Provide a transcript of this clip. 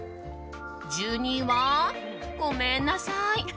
１２位は、ごめんなさい